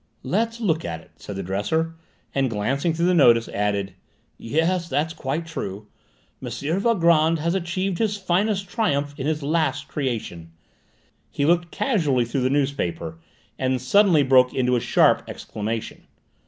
"Let's look at it," said the dresser, and, glancing through the notice, added, "yes, that's quite true: 'M. Valgrand has achieved his finest triumph in his last creation.'" He looked casually through the newspaper, and suddenly broke into a sharp exclamation.